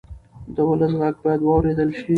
د ولس غږ باید واورېدل شي.